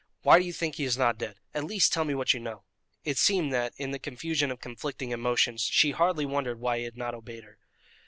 Why do you think he is not dead? At least, tell me what you know." It seemed that, in the confusion of conflicting emotions, she hardly wondered why he had not obeyed her.